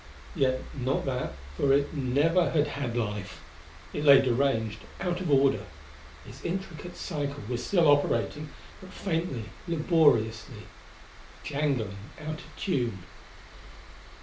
Yet not that, for it never had had life. It lay deranged; out of order; its intricate cycle was still operating, but faintly, laboriously. Jangling out of tune.